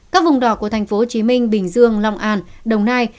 các vùng đỏ của tp hcm bình dương long an đồng nai